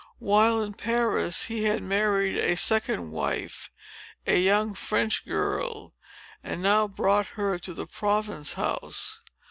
While in Paris, he had married a second wife, a young French girl, and now brought her to the Province House.